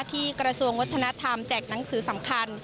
กระทรวงวัฒนธรรมแจกหนังสือสำคัญ